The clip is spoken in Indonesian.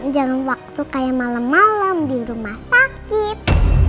jangan waktu kayak malem malem di rumah sakit